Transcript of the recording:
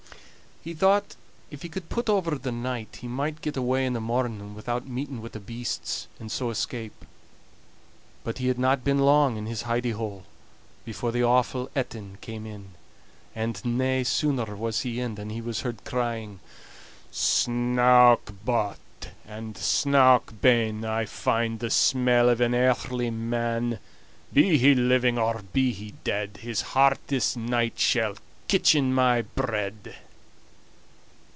He thought, if he could put over the night, he might get away in the morning without meeting wi' the beasts, and so escape. But he had not been long in his hidy hole before the awful Etin came in; and nae sooner was he in than he was heard crying: "Snouk but and snouk ben, I find the smell of an earthly man; Be he living, or be he dead, His heart this night shall kitchen(1) my bread."